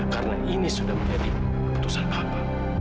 karena ini sudah menjadi keputusan papa